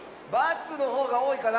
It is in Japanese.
×のほうがおおいかな？